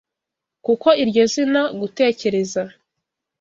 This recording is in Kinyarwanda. kuko iryo zina, gutekereza